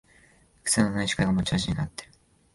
くせのない司会が持ち味になってる